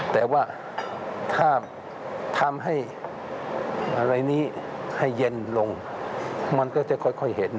แต่ว่าถ้าทำให้อะไรนี้ให้เย็นลงมันก็จะค่อยเห็น